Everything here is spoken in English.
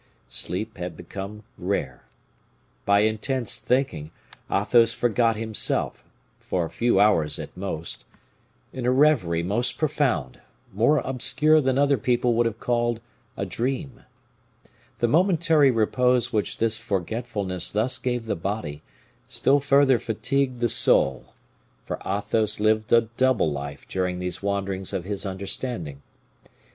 Sleep had become rare. By intense thinking, Athos forgot himself, for a few hours at most, in a reverie most profound, more obscure than other people would have called a dream. The momentary repose which this forgetfulness thus gave the body, still further fatigued the soul, for Athos lived a double life during these wanderings of his understanding.